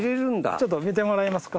ちょっと見てもらいますか。